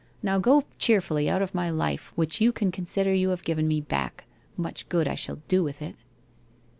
Now go cheerfully out of my life, which you can consider you have given me back. Much good I shall do with it!'